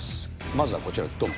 まずはこちら、どん。